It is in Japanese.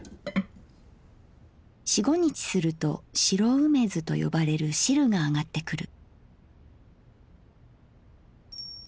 四五日すると白梅酢とよばれる汁があがってくる」。